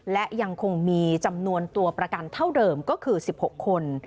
และยังคงมีจำนวนตัวประกันเท่าเดิมก็คือ๑๖คน